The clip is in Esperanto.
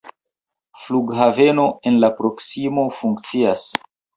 Flughaveno en la proksimo funkcias.